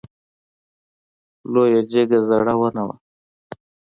لویه جګه زړه ونه وه .